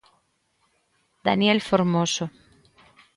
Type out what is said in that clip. Daniel Formoso.